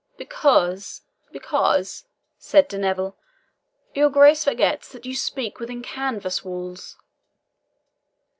"Because," said De Neville, "your Grace forgets that you speak within canvas walls."